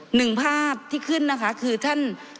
หนึ่งภาพที่ขึ้นนะคะคือท่าน